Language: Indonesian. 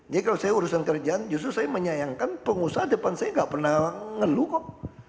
jadi kalau saya urusan kerjaan justru saya menyayangkan pengusaha depan saya enggak pernah ngeluk kok